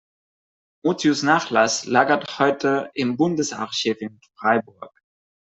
Mutius' Nachlass lagert heute im Bundesarchiv in Freiburg.